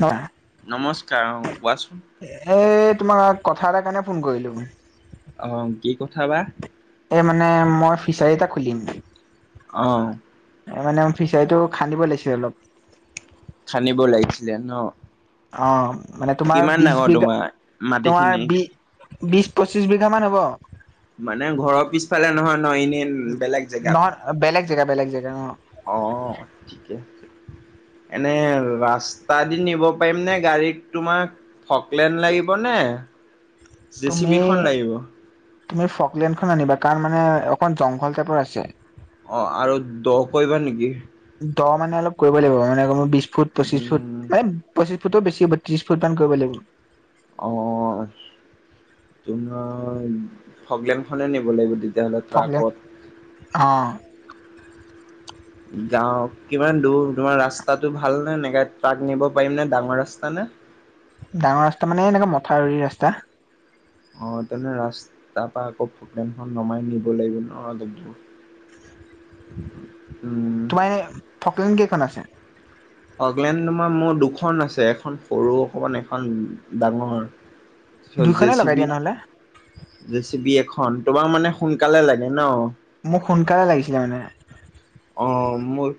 হ নমস্কাৰ অ কোৱাচোন এই তোমাক কথা এটা কাৰণে ফোন কৰিলো আহ কি কথা বা এই মানে মই ফিচাৰী এটা খুলিম আহ মানে ফিচাৰীটো খান্দিব লাগিছিল অলপ খানিবও লাগিছিলে ন অ মানে তোমাৰ কিমান বি ডাঙৰ বিঘা তোমাৰ তোমাৰ মাটিখিনি বি বিছ পঁচিছ বিঘামান হ'ব মানে ঘৰৰ পিছফালে নহয় ন এনেই বেলেগ নহয় জেগাত বেলেগ জেগা বেগ জেগা ন অঁ ঠিকে এনে ৰাস্তা দি নিব পাৰিম নে গাড়ীত তোমাক ফকলেন লাগিব নে জে চি তুমি বিখন লাগিব তুমি ফকলেণ্ডখন আনিবা কাৰ মানে অকণ জংঘল টাইপৰ আছে অ আৰু দ কৰিবা নেকি দ মানে অলপ কৰিব লাগিব মানে বিশ ফুট পঁচিশ উম ফুট মানে পঁচিছ ফুট ফুটটো বেছি হ'ব ত্ৰিশ ফুট মান কৰিব লাগিব অ তোমাৰ ফগলেম খনে নিব লাগিব তে পলে অ গাও কিমান দূৰ তোমাৰ ৰাস্তাটো ভাল নে এনেকে ট্ৰাক নিব পাৰিম নে ডাঙৰ ৰাস্তা নে [inaudible] ডাঙৰ ৰাস্তা মানে এনেকুৱা মথাউৰি ৰাস্তা অ তেনে ৰাস তাৰ পৰাা আকৌ ভটেনখন নমাই নিব লাগিব নদ দূৰ হয় [inaudible] তোমাৰ এনে ফকলেন কেইখন আছে অকলেণ্ডমাৰ মোৰ দুখন আছে এখন সৰু অকমান এখন ডাঙৰ ত দুইখনে লগাই জেচিপি দিয়া নহ'লে জেচিপি এখন তোমাৰ মানে সোনকালে লাগে ন মোক সোনকালে লাগিছিলে মানে। অ' মই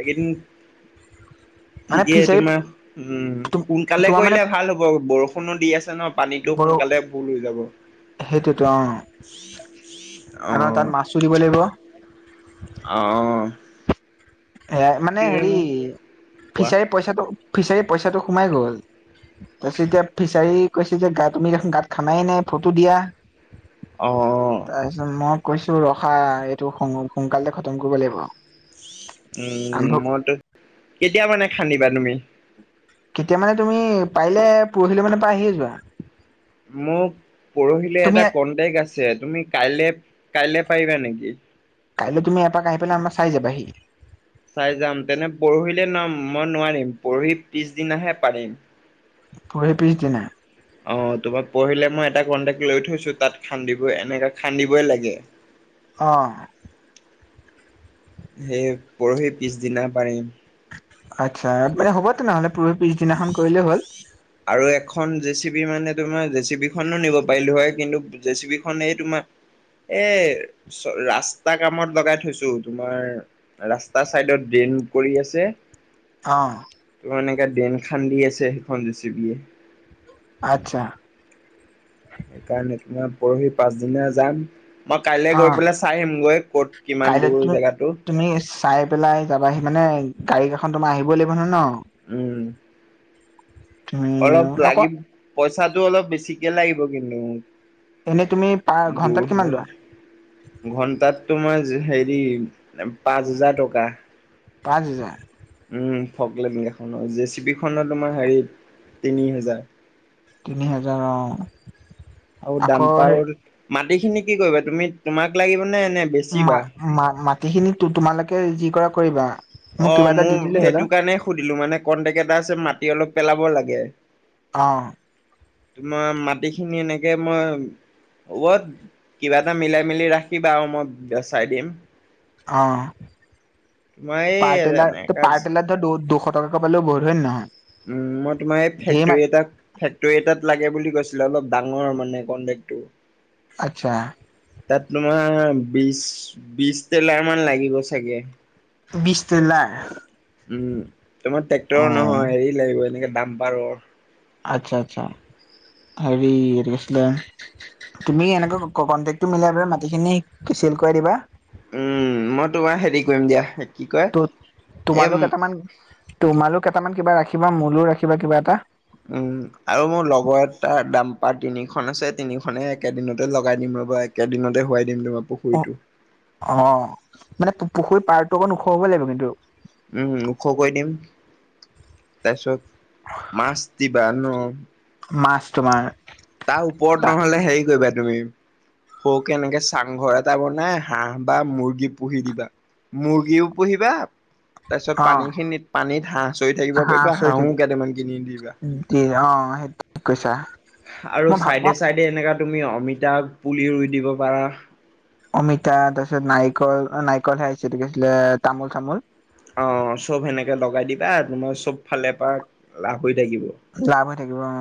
এইকেইদিন মানে ঠিকেই ফিচাৰী তোমাৰ উম সোনকালে তোমাৰ মানে কৰিলে ভাল হ'ব বৰষুণো দি আছে ন পানীতটো বৰ সোনকালে ফুল হৈ যাব। সেইটোতো অ অ আকৌ তাত মাছো দিব লাগিব। অ'। এ মানে হেৰি অ কোৱা ফিচাৰী পইচাটো ফিচাৰী পইচাটো সোমাই গ'ল। তাৰপিছত এতিয়া ফিচাৰী কৈছে যে গা তুমি দেখন গাত খানাই নাই ফটো দিয়া। অ', তাৰপিছত মই কৈছো ৰখা এইটো সোন সোনকালে খতম কৰিব লাগিব। উম আৰম্ভ মইতো কেতিয়া মানে খান্দিবা তুমি? কেতিয়া মানে তুমি পাৰিলে পৰহিলৈ মানে পা আহিয়ে যোৱা। মোক পৰহিলে তুমি এটা কন্ট্ৰেক্ট আছে তুমি কাইলে কাইলে পাৰিবা নেকি? কাইলৈ তুমি এপাক আহি পেলাই আমাৰ চাই যাবাহি। চাই যাম, তেনে পৰহিলে নম মই নোৱাৰিম পৰহি পিছদিনাহে পাৰিম। পৰহিৰ পিছদিনা? অ' তোমাক পৰহিলে মই এটা কন্টেক্ট লৈ থৈছো, তাত খান্দিব এনেক খান্দিবই লাগে। অ'। সেই পৰহি পিছদিনা পাৰিম। আচ্ছা মানে হ'ব তেনেহ'লে। পৰহি পিছদিনাখন কৰিলেই হ'ল আৰু এখন জেচিবি মানে তোমাৰ জেচিবি খনো নিব পাৰিলো হয় কিন্তু জেচিবি খনে এই তোমাৰ এ চ ৰাস্তা কামত লগাই থৈছো তোমাৰ ৰাস্তা চাইডত ড্ৰে কৰি আছে অ' তোমাৰ এনেকে ড্ৰেইন খান্দি আছে সেইখন জেচিবিয়ে। আচ্ছা সেইকাৰণে তোমাৰ পৰহি পাছদিনা যাম মই কাইলৈ গৈ অঁ পেলাই চাই আহিম গৈ ক'ত কিমান কাইলৈ দূৰ তুমি জেগাটো। তুমি চাই পেলাই যাবাহি মানে গাড়ী কেইখন তোমাৰ আহিবই লাগিব নহয় ন? উম। তুমি অলপ অক লাগিব পইচাটো অলপ বেছিকে লাগিব কিন্তু মোক। এনেই তুমি পা ঘন্টাত দূৰ কিমান লোৱা বল ঘণ্টাত তোমাৰ জ হেৰি পাঁচ হাজাৰ টকা। পাঁচ হাজাৰ? উম ফকলেনখনৰ, জেচিবি খনৰ তোমাৰ হেৰিত তিনি হাজাৰ। তিনি হাজাৰ অ'। আৰু দাম্পাৰৰ, মাটি খিনি কি কৰিবা তুমি তোমাক লাগিব নে নে মা বেচিবা? মা মাটিখিনি তোমালোকে যি কৰা কৰিবা। মোক কিবা অ' এটা দি মোৰ দিলেই হ'ল সেইটো কাৰণে সুধিলো মানে কন্ট্ৰেক্ট এটা আছে মাটি অলপ পেলাব লাগে। অ'। তোমাৰ মাটি খিনি এনেকে মই হ'ব কিবা এটা মিলাই মিলি ৰাখিবা আৰু, মই বেচাই দিম। অ' তোমাৰ এই পাৰ টেলাৰ এনেকা পাৰ টেলাৰত তো দু দুশ শটকাকৈ পালওঁ বহুত হয়নে নহয়? উম মই তোমাৰ এই ধেৰ মা ফেক্টৰী এটাত ফেক্টৰী এটাত লাগে বুলি কৈছিলে, অলপ ডাঙৰ মানে কন্ট্ৰেক্টটো। আচ্ছা। তাত তোমাৰ বিশ বিশ টেলাৰ মান লাগিব চাগে। উম বিশ টেলাৰ তোমাৰ ট্ৰেক্টৰৰ অঁ নহয় হেৰি লাগিব। এনেকে দম্পাৰৰ আচ্ছা আচ্ছা, হেৰি এইটো কি আছিলে? তুমি এনেকৈ কনটেকটো মিলাই পেলাই মাটিখিনি চেল কৰাই দিবা। উম, মই তোমাৰ হেৰি কৰিম, দিয়া। কি কয় ত' এ উম তোমালোক কেইটামান, তোমালোক কেইটামান কিবা ৰাখিবা, মোলৈও ৰাখিবা, কিবা এটা। উম, আৰু মোৰ লগৰ এটাৰ দাম্পাৰ তিনিখন আছে। তিনি খনে একেদিনতে লগাই দিম। একেদিনতে হোৱাইট অ', অ, মানে, পুখুৰীৰ পাৰটো অকণ ওখ হ'ব লাগিব কিন্তু। উম, ওখ কৰি দিম। তাৰপিছত, মাছ দিবা ন? মাছ তোমাৰ তাৰ ওপৰত নহ'লে, হেৰি কৰিবা তুমি। সৰু কে এনেকে চাংঘৰ এটা বনাই হাঁহ বা মুৰ্গী পুহি দিবা। মুৰ্গীও পুহিবা। তাৰপিছত অ পানীখিনিত পানীত হাঁহ চৰি থাকিব হাঁহ পাৰিব। চৰি থাকি হাঁহো কেইটামান কিনি দিবা। অ', সেইটো কৈছা। আৰু মই ভাব মই চাইডে-চাইডে এনেকা তুমি অমিতা পুলি ৰুই দিব পাৰা। অমিতা তাৰপিছত নাৰিকল, অ', নাৰিকলহে আহিছে এইটো কি আছিলে তামোল চামোল। অ', চব সেনেকে লগাই দিবা তোমাৰ চব ফালে পৰা লাভ হৈ থাকিব। লাভ হৈ থাকিব অ',।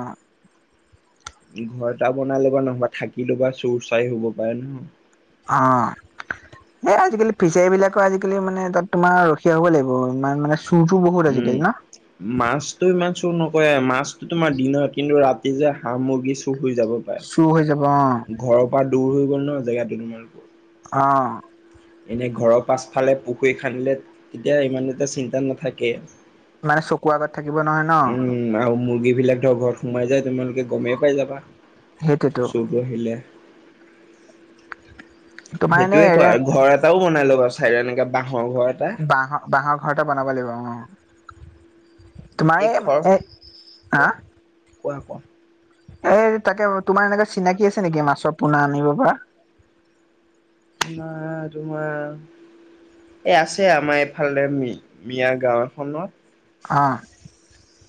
ঘৰ এটা বনাই লবা, নহবা থাকি লবা চোৰ চাৰ হ'ব পাৰে নহয়। অ',। এই আজিকালি ফিচাৰী বিলাকৰ আজিকালি মানে, তাত তোমাৰ ৰখীয়া হ'ব লাগিব। ইমান মানে চুৰটো বহুত উম, আজিকালি ন মাছ তো ইমান চোৰ ন কৰে মাছতো তোমাৰ দিন হয় কিন্তু ৰাতি যে হাঁহ, মুৰ্গী চোৰ চুৰ হৈ যাব অ',। ঘৰৰ পৰা দূৰ হৈ গ'ল ন, জেগা তো তোমালোকৰ। অ',। এনে, ঘৰৰ পাছফালে পুখুৰী খান্দিলে, তেতিয়া ইমান এটা চিন্তা নাথাকে। মানে, চকুৰ আগত থাকিব নহয় ন,। এইবিলাক ধৰ ঘৰত সোমাই যায়, তোমালোকে গমেই পাই যাবা সেইটোতো চুৰটো আহিলে। তোমাৰ এনে সেইটোয়ে এ কৰা ঘৰ এটাও বনাই ল'বাচোন। চাইডত এনেকে বাঁহৰ ঘৰ এটা। বাঁহৰ বাঁহৰ ঘৰ এটা বনাব লাগিব অ তোমাৰ বাকী এই খৰ এ হা কোৱা কোৱা কোৱা। এই তাকে, তোমাৰ এনেকুৱা চিনাকি আছে নেকি? মাছৰ পোনা আনিব পৰা। নাই তোমাৰ। এই আছে, আমাৰ এইফালে মিয়া গাঁও এখনত। অ',।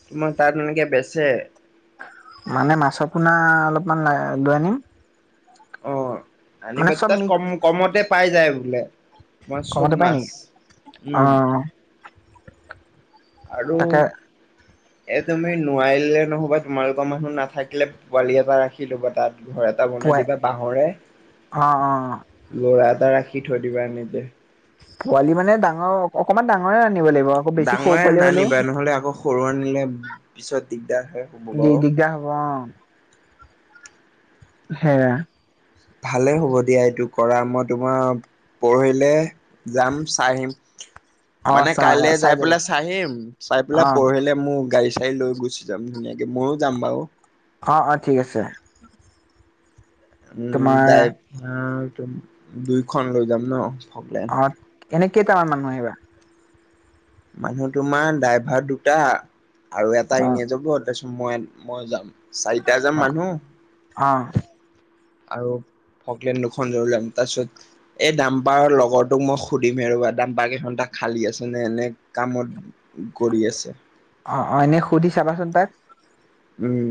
তোমাৰ তাত এনেকে বেচে। মানে মাছৰ পোনা অলপমান লৈ আনিম। অ', মানে আনিবা চব তাত মি কম-কমতে পাই যায় বোলে। তোমাৰ চব কমতে পাই মাছ নেকি অ উম। আৰু তাকে এই তুমি নোৱাৰিলে নহ'বা তোমালোকৰ মানুহ নথাকিলে, পোৱালি এটা ৰাখি ল'বা তাত। ঘৰ এটা বনাই পোৱাই দিবা বাঁহৰে অ অ লৰা-' টা ৰাখি থৈ দিবা এনেকে। পোৱালি মানে, ডাঙৰ অকনমান ডাঙৰে আনিব লাগিব আকৌ বেছি সৰু ডাঙৰে পোৱালি হলেও আনিবা, নহলে আকৌ সৰু আনিলে পিছত দ দিগদাৰ হে হব দি আৰু। দিগদাৰ হ'ব অ সেয়া। ভালে হ'ব দিয়া, এইটো কৰা মই তোমাৰ পৰহিলে যাম, চাই আহিম। অ মানে চা কাইলৈ যাই যাবা পেলাই চাই আহিম, চাই অ পেলাই পৰহিলে মোক গাড়ী চাৰী লৈ গুচি যাম ধুনীয়াকে, ময়ো যাম বাৰু। অ', অ' ঠিক আছে। উম, তোমাৰ দাইট হু, দুইখন লৈ যাম ন' পগ্ৰেম? অ এনে কেইটামান মানুহ আহিবা? মানুহ তোমাৰ ড্ৰাইভাৰ দুটা আৰু এটা অ এনে যাব তাৰপিছত মই মই যাম, চাৰিটা যাম অ মানুহ অ আৰু ফকলেন দুখন ধৰি লোৱা তাৰপিছত এই দাম্পাৰৰ লগৰটোক মই সুধিম এ, ৰ'বা দাম্পাৰকেইখন তাক খালী আছে নে এনে কামত কৰি আছে অ', অ' এনে সুধি চাবাচোন তাক। উম।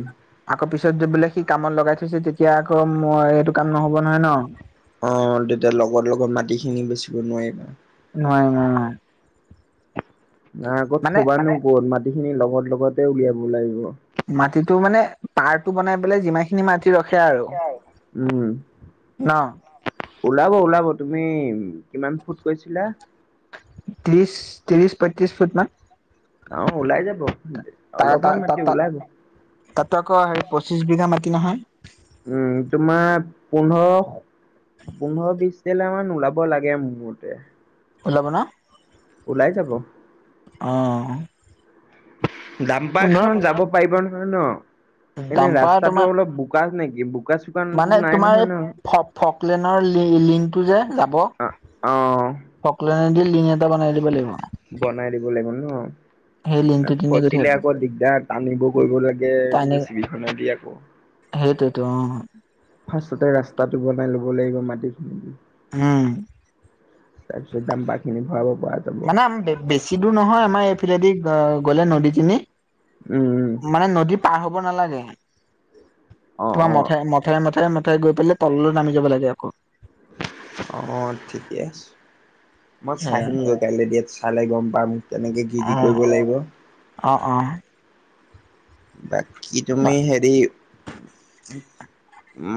আকৌ পিছত গৈ বোলে সি কামত লগাই থৈছে তেতিয়া আকৌ মই এইটো কাম নহ'ব নহয় ন'। অ' তেতিয়া লগৰ লগত মাটিখিনি বেচিব নোৱাৰিবা। নোৱাৰি নোৱাৰি নুৱা। নাই আকৌ থবানো ক'ত? মাটিখিনি লগত লগতে উলিয়াব লাগিব। মাটিটো মানে পাৰটো বনাই পেলাই যিমানখিনি মাটি ৰখে আৰু উম, ন ওলাব ওলাব। তুমি কিমান ফুট কৈছিলা? ত্ৰিশ ত্ৰিশ পঁয়ত্ৰিশ ফুটমান। অ' ওলাই যাব। তাৰ তা অলপমান তা তাত মাটি ওলাব। তা তাত আকৌ হেৰি পঁচিছ বিঘা মাটি নহয়। উম তোমাৰ পোন্ধৰ পোন্ধৰ বিশ টেইলাৰমান ওলাব লাগে মোৰ মতে। ওলাব ন'? ওলাই যাব। অ'। পোন্ধৰ দাম্পাৰখন যাব পাৰিব নহয় ন'। এনে দাম্পাৰ ৰাস্তাটো তোমাৰ অলপ বোকা নেকি? চোকা মানে নাই তোমাৰ নহয় এই ন? ফ-ফকলেনৰ লি-লিংটো যে যাব অ অ'। ফকলনেদি লিং এ বনাই দিব লাগিব সেই লিংকটো ন'? কিনে গৈ ফচিলে থাকিব আকৌ দিগদাৰ, টানিব কৰিব লাগে তাইনে যে চিখ নদি আকৌ ত ফাৰ্ষ্টতে ৰাস্তাটো বনাই লব লাগিব মাটিখিনি দি। হুম। তাৰপিছত দাম্পাৰখিনি ভৰাব। পৰা যাব। মানে আম বে-বেছি দূৰ নহয়, আমাৰ এইফালেদি গ'লে নদীখিনি উম, উম, মানে নদী পাৰ হ'ব নালাগে। অ', তোমাৰ অ', মথে মথে, মথেৰে মথেগৈ পেলাই তললৈ নামি যাব লাগে আকৌ। অ' ঠিকে আছে। মই চাই সেয়া আহিম গৈ কাইলে দিয়াত চালে গম পাম মোক কেনেকে কি কি অ কৰিব লাগিব। অ অ'। বাকী তুমি হেৰি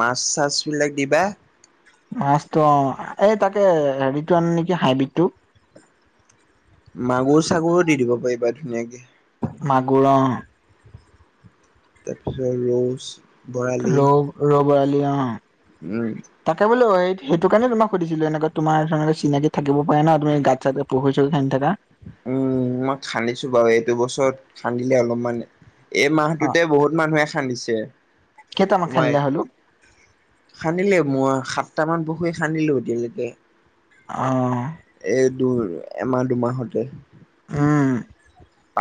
মাছ চাছবিলাক দিবা। মাছতো অ'এই তাকে হেৰিটো আনি নেকি হাইবিটটো। মাগুৰ চাগুৰো দি দিব পাৰিবা ধুনীয়াকে। মাগুৰ অ'। তাৰপিছত ৰছ, ভৰালি। ভৰালি অ' তাকে বোলো এই সেইটো কাৰণে তোমাক সুধিছিলোঁ, এনেকুৱা তোমাৰ তেনেকুৱা চিনাকি থাকিব পাৰে ন' তুমি গাত চাত পুখুৰী চুখুৰি সান্ধি থাক উম, মই খান্দিছোঁ বাৰু এইটো বছৰত খান্দিলে অলপমান। এই অ মাহটোতে বহুত মানুহে খান্দিছে। কেইটামান তোমাৰ খান্দিলে হ'লো খান্দিলে মই সাত সাতটামান পুখুৰী খান্দিলোঁ এতিয়ালৈকে। অ'। তোৰ এমাহ দুমাহতে। উম।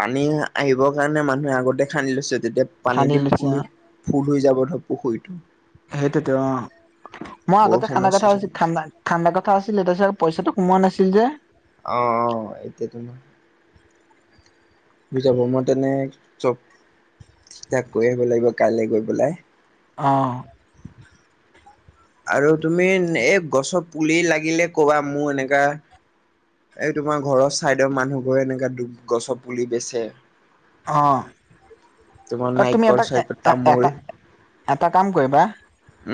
পানী আহিবৰ কাৰণে মানুহে আগতে খান্দি লৈছে তেতিয়া পানী খান্দি দি লৈছে ফুল অ ফুল হৈ যাব ধৰ পুখুৰীটো। সেইটোতো অ'। মই আগতে খান্দা বৰষুণৰ কথা ছিজন আছিলে খান্দা খান্দা কথা আছিলে তাৰপিছত পইছাটো উমান আছিল যে। অ', অ' এতিয়াতো নহয়। বুজাব মই তেনে চব কৈ আহিব লাগিব কাইলৈ গৈ পেলাই। অ'। আৰু তুমি এই গছৰ পুলি লাগিলে ক'বা মোৰ এনেকা এই তোমাৰ ঘৰৰ চাইদৰ মানুহবোৰে এনেকা গছৰ পুলি বেছে। অ তোমাৰ অ' তুমি নাৰিকল এটা চাৰিকল তামোল এ-এটা এ-এটা কাম কৰিবা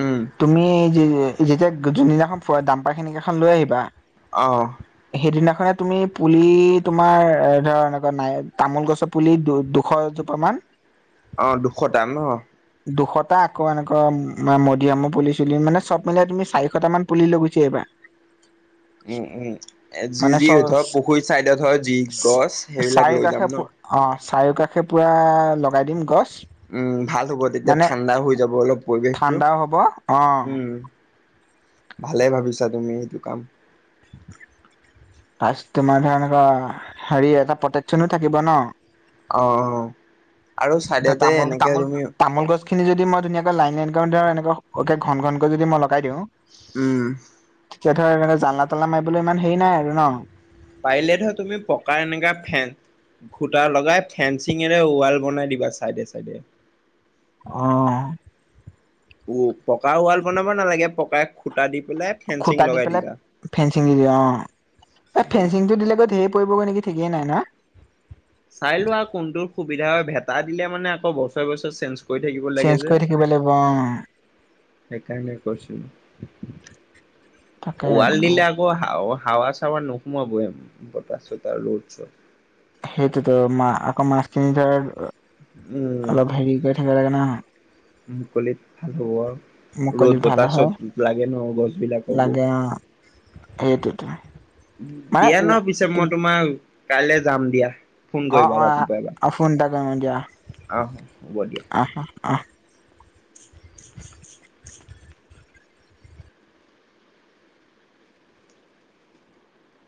উম তুমি যি-যেতিয়া যোনদিনাখন ফোৱা দাম্পাৰখিনি কেইখন লৈ আহিবা অ'। সেইদিনাখনে তুমি পুলি তোমাৰ এ, ধৰা এনেকোৱা নাই তামোল গছৰ পুলি দুশ দুটামান অ' দুশটা ন'? দুশটা আকৌ এনেকুৱা ম-মডিয়ামৰ পুলি চুলি মানে চব মিলাই তুমি চাৰিশটা পুলি লৈ গুচি আহিবা। [inaudible] উম, উম, যি মানে যি ধৰ চ পুখুৰী চাইডত হয় যি গছ সেইবিলাক লৈ যাম ন'? চাৰিওকাষে পোৰা লগাই দিম গছ। উম, ভাল হ'ব তেতিয়া, মানে ঠাণ্ডা হৈ যাব অলপ পৰিৱেশটো। ঠাণ্ডাও হ'ব উম অ'। ভালে ভাবিছা তুমি সেইটো কাম। প্লাছ তোমাৰ ধৰা এনেকুৱা হেৰি এটা প্ৰটেকচনো থাকিব ন'। অ', অ'। আৰু এতিয়া চাইডতে এনেকে তুমি তামোল-তামোল-তামোল গছখিনি যদি মই ধুনীয়াকৈ লাইন লাইন ধৰ এনেকুৱা ঘন ঘনকৈ যদি মই লগাই দিওঁ উম। এতিয়া ধৰা জালনা তালনা মাৰিবলৈ ইমান হেৰি নাই আৰু ন'? পাৰিলে ধৰ তুমি পকাৰ এনেকা ফেন গোটাৰ লগাই ফেনচিঙেৰে ৱাল বনাই দিবা চাইডে চাইডে। অ'। উ, পকা ৱাল বনাব নালাগে, পকাই খুটা দি পেলাই ফেঞ্চিং খুঁটা দি লগাই পেলাই দিবা। ফেঞ্চিং দিদে, অ' এই ফেঞ্চিংটো দিলে গৈ ধেৰ টেইবোৰ এনেকে ঠিকেই নাই না? চাই লোৱা কোনটো সুবিধা হয়, ভেটা দিলে মানে আকৌ বছৰে বছৰে চেঞ্জ কৰি থাকিব লাগে চেঞ্জ যে কৰি থাকিব লাগিব অ সেইকাৰণে কৈছোঁ। [inaudible] তাকে ৱাল বোলো দিলে আকৌ হা হাৱা চাৱা নোসোমাব, বতাহ চতাহ ৰ'দ চত। সেইটোতো মা-আকৌ মাছখিনি যাৰ উম অলপ হেৰি কৰি থাকিব লাগে ন'। মুকলিত ভাল হ'ব আৰু। ৰ'দ, মুকলিত ভাল বতাহ, হয় চব লাগে ন' গছবিলাককো। সেইটোয়েটো। দিয়া ন' পিছে মই তোমাৰ কাইলৈ যাম দিয়া। ফোন অ', অ', ফোন এটা কৰিম দিয়া। আহ, হ'ব দিয়া। আহ আহ